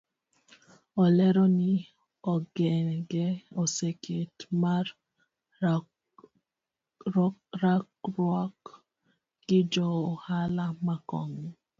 Olero ni okenge oseket mar rakruok gi jo ohala makamago.